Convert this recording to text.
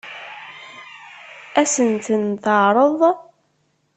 Ad sen-ten-teɛṛeḍ?